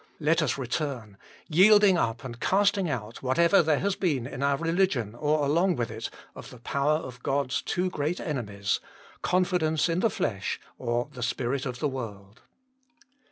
Let us return, yielding up and casting out whatever there has been in our religion or along with it of the power of God s two great enemies confidence in the flesh or the spirit of 190 THE MINISTRY OF INTERCESSION the world.